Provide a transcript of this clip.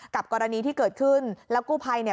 กรณีที่เกิดขึ้นแล้วกู้ภัยเนี่ย